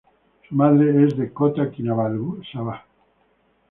Su madre es de Kota Kinabalu, Sabah.